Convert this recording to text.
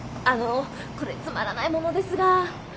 あのこれつまらないものですが。